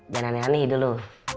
gak aneh aneh dulu